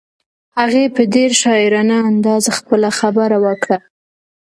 هغې په ډېر شاعرانه انداز خپله خبره وکړه.